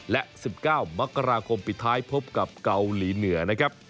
และ๑๙มกราคมปิดท้ายพบกับเกาหลีเหนือนะครับ